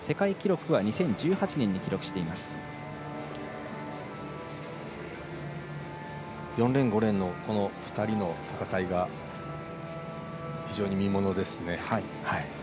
世界記録は２０１８年に４レーン、５レーンの２人の戦いが非常に見ものですね。